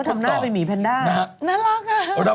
ดูสิเขาทำหน้าเป็นหมี่เพนด้าน่ารักค่ะ